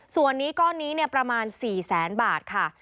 ส่วนนี้ก้อนนี้ประมาณ๔แสนบาทค่ะ